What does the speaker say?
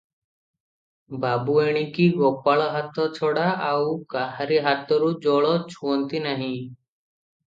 ବାବୁ ଏଣିକି ଗୋପାଳ ହାତ ଛଡ଼ା ଆଉ କାହାରି ହାତରୁ ଜଳ ଛୁଅଁନ୍ତି ନାହିଁ ।